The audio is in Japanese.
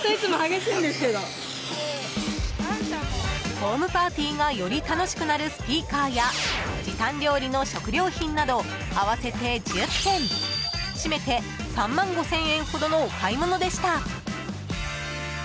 ホームパーティーがより楽しくなるスピーカーや時短料理の食料品など合わせて１０点しめて３万５０００円ほどのお買い物でした。